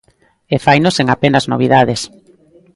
E faino sen apenas novidades.